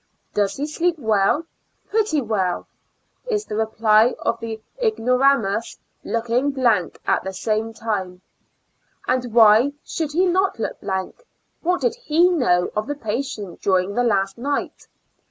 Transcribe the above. "Does he sleep well?" "Pretty well," is the reply of the ignoramus, looking blank at the same time, and why should he not look blank? What did he know of the patient during the last night?